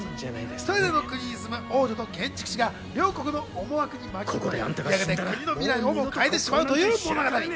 それぞれの国に住む王女と建築士が両国の思惑に巻き込まれ、やがて国の未来をも変えてしまうという物語。